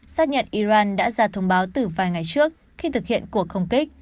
xác nhận iran đã ra thông báo từ vài ngày trước khi thực hiện cuộc không kích